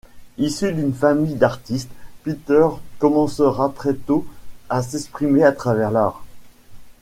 Issu d'une famille d'artistes Peter commencera très tôt à s'exprimer à travers l'art.